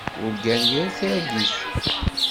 Urgant yir targit.